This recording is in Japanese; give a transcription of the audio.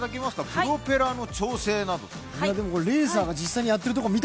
プロペラの調整です。